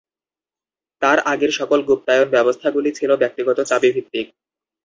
তার আগের সকল গুপ্তায়ন ব্যবস্থাগুলি ছিল ব্যক্তিগত চাবিভিত্তিক।